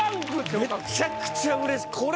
めちゃくちゃ嬉しい。